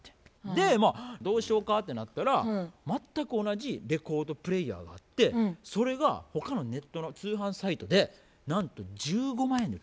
まあどうしようかってなったら全く同じレコードプレーヤーがあってそれが他のネットの通販サイトでなんと１５万円で売ってた。